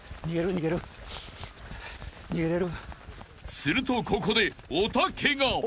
［するとここでおたけが］